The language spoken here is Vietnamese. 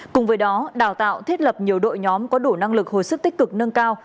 cùng với đó đào tạo thiết lập nhiều đội nhóm có đủ năng lực hồi sức tích cực nâng cao